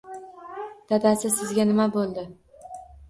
Dadasi, sizga nima bo`ldi